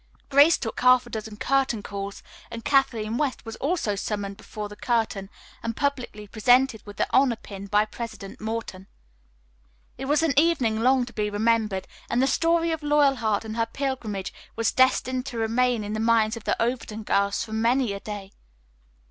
Grace took half a dozen curtain calls, and Kathleen West was also summoned before the curtain and publicly presented with the honor pin by President Morton. It was an evening long to be remembered, and the story of Loyalheart and her pilgrimage was destined to remain in the minds of the Overton girls for many a day.